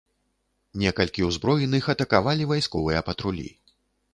Некалькі ўзброеных атакавалі вайсковыя патрулі.